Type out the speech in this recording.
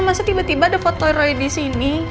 masa tiba tiba foto roy ada di sini